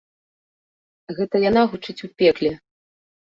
Гэта яна гучыць у пекле.